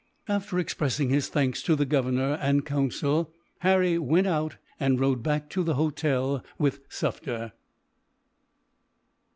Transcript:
After expressing his thanks to the Governor and Council, Harry went out, and rode back to the hotel with Sufder.